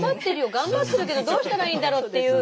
頑張ってるけどどうしたらいいんだろうっていう。